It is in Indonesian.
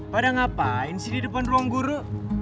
pada ngapain sih di depan ruang guru